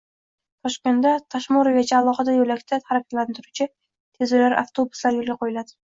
Toshkentdan Tashmoregacha alohida yo‘lakda harakatlanuvchi tezyurar avtobuslar yo‘lga qo‘yiladi